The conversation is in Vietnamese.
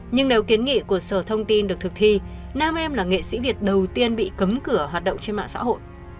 nhưng nếu kiến nghị của sở thông tin được thực thi nam em là nghệ sĩ việt đầu tiên bị cấm cửa hoạt động trên mạng xã hội